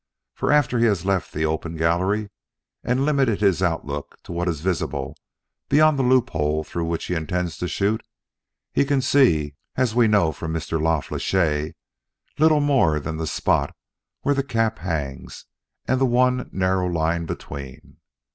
For after he has left the open gallery and limited his outlook to what is visible beyond the loophole through which he intends to shoot, he can see as we know from Mr. La Flèche little more than the spot where the cap hangs and the one narrow line between.